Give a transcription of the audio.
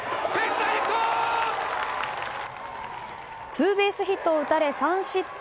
ツーベースヒットを打たれ３失点。